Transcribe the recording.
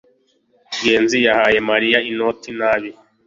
ngenzi yahaye mariya inoti nabi